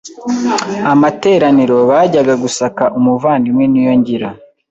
amateraniro bajyaga gusaka Umuvandimwe Niyongira